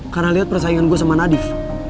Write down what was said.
karena liat persaingan gue sama nadif